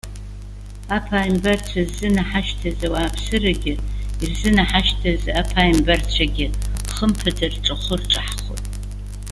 Аԥааимбарцәа ззынаҳашьҭыз ауааԥсырагьы, ирзынаҳашьҭыз аԥааимбарцәагьы хымԥада рҿахәы ирҿаҳхуеит.